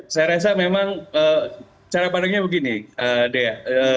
saya rasa memang cara pandangnya begini dea